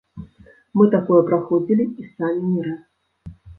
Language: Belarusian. Мы такое праходзілі і самі не раз.